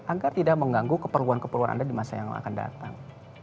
agar tidak mengganggu keperluan keperluan anda di masa yang akan datang